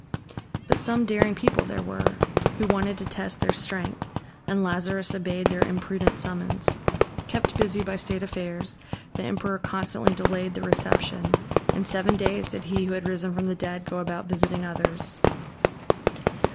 But some daring people there were, who wanted to test their strength, and Lazarus obeyed their imprudent summons. Kept busy by state affairs, the emperor constantly delayed the reception, and seven days did he who had risen from the dead go about visiting others.